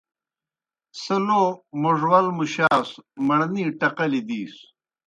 سہ لو موڙول مُشاسوْ، مڑنے ٹقلیْ دِیسوْ۔